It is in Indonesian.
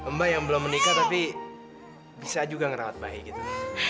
mbak yang belum menikah tapi bisa juga ngerawat bayi gitu